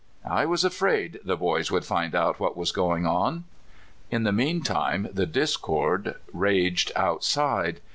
"I was afraid the boys would find out what was going on." In the meantime the discord raged outside.